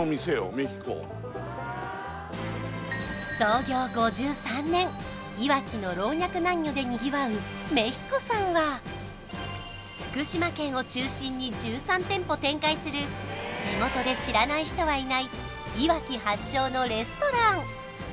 メヒコいわきの老若男女でにぎわうメヒコさんは福島県を中心に１３店舗展開する地元で知らない人はいないいわき発祥のレストラン